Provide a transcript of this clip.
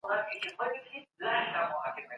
د کابل او ډیلي ترمنځ هوایي دهلیز څنګه کار کوي؟